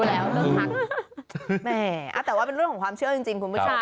แหม่แต่ว่าเป็นเรื่องความเชื่อจริงจริงคุณผู้ชม